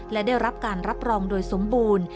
และได้รับการรับรองโดยสมบูรณ์